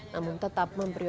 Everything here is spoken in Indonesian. namun tetap memperbaiki